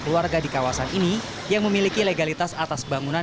keluarga di kawasan ini yang memiliki legalitas atas bangunan